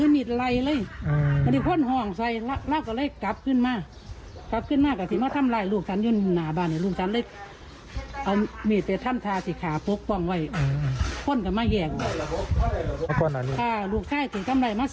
แม่ก็แลดเลยแล้วก็ถือมีดไหลเลย